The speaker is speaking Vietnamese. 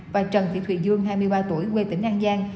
và trần thị thùy dương hai mươi ba tuổi quê tỉnh an giang